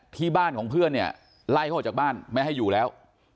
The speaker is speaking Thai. ที่บ้านของเพื่อนเนี่ยไล่เขาออกจากบ้านไม่ให้อยู่แล้ว